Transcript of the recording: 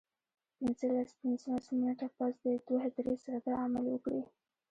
پنځلس پنځلس منټه پس دې دوه درې ځله دا عمل وکړي